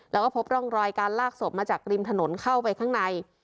แล้วก็พบร่องรอยการลากศพมาจากริมถนนเข้าไปข้างใน